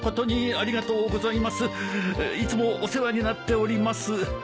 いつもお世話になっております。